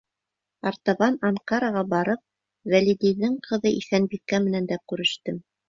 Артабан, Анкараға барып, Вәлидиҙең ҡыҙы Иҫәнбикә менән дә күрештем.